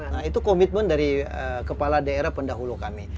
nah itu komitmen dari kepala daerah pendahulu kami